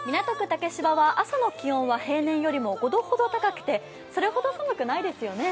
竹芝は、朝の気温は平年よりも５度ほど高くてそれほど寒くないですよね。